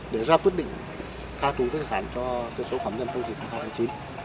để ra quyết định tha tù trước hạn cho số phạm nhân khâu dịch hai nghìn hai mươi